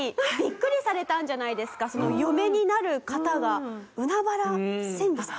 嫁になる方が海原千里さん。